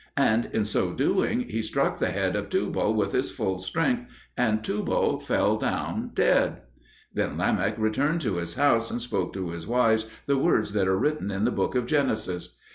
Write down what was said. And in so doing he struck the head of Tubal with his full strength, and Tubal fell down dead. Then Lamech returned to his house, and spoke to his wives the words that are written in the Book of Genesis.